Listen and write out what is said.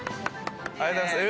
ありがとうございます。